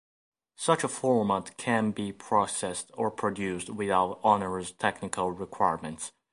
Such a format can be processed or produced without onerous technical requirements.